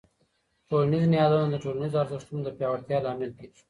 ټولنیز نهادونه د ټولنیزو ارزښتونو د پیاوړتیا لامل کېږي.